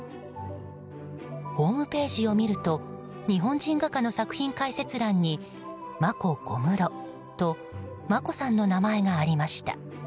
ホームページを見ると日本人画家の作品解説欄にＭａｋｏＫｏｍｕｒｏと眞子さんの名前がありました。